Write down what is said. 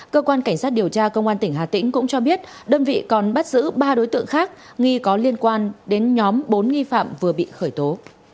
cơ quan cảnh sát điều tra công an tỉnh hà tĩnh cũng cho biết đơn vị còn bắt giữ ba đối tượng khác nghi có liên quan đến nhóm bốn nghi phạm vừa bị khởi tố